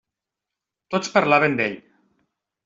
Tots parlaven d'ell.